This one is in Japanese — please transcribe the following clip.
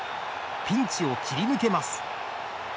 ピンチを切り抜けます。